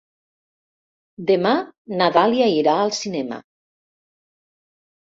Demà na Dàlia irà al cinema.